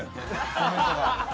コメントが。